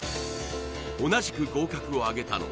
同じく合格をあげたのは